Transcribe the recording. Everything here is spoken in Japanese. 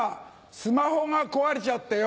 スマホが壊れちゃってよ。